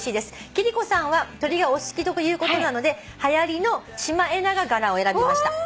「貴理子さんは鳥がお好きということなのではやりのシマエナガ柄を選びました」